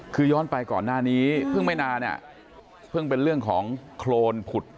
คือย้อนไปก่อนหน้านี้เพิ่งไม่นานเนี่ยเพิ่งเป็นเรื่องของโครนผุด